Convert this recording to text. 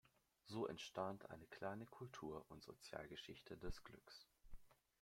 So entstand eine kleine Kultur- und Sozialgeschichte des Glücks.